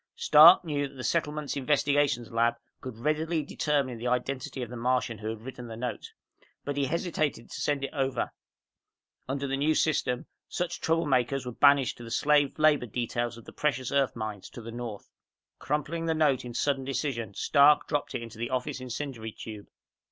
_ Stark knew that the Settlement's Investigations Lab could readily determine the identity of the Martian who had written the note. But he hesitated to send it over. Under the New System, such troublemakers were banished to the slave labor details of the precious earth mines to the North. Crumpling the note in sudden decision, Stark dropped it into the office incendiary tube.